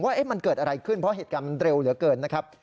ว่ามันเกิดอะไรขึ้นเพราะเหตุการณ์มันเร็วเหลือเกินนะครับ